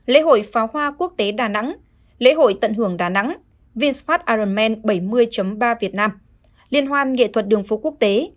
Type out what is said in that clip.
lễ hội pháo hoa quốc tế đà nẵng lễ hội tận hưởng đà nẵng vinsmart arerman bảy mươi ba việt nam liên hoan nghệ thuật đường phố quốc tế